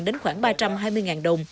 đến khoảng ba trăm hai mươi ngàn đồng